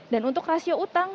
dan untuk rasio utang